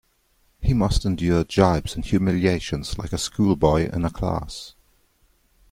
He must endure gibes and humiliations like a schoolboy in a class.